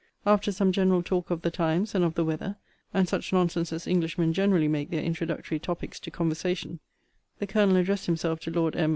After some general talk of the times, and of the weather, and such nonsense as Englishmen generally make their introductory topics to conversation, the Colonel addressed himself to Lord M.